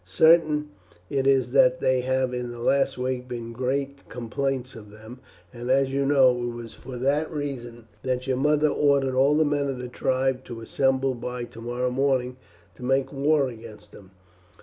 Certain it is that there have in the last week been great complaints of them, and, as you know, it was for that reason that your mother ordered all the men of the tribe to assemble by tomorrow morning to make war against them.